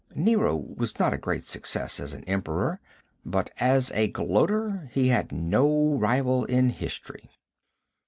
Nero was not a great success as an Emperor, but as a gloater he has no rival in history.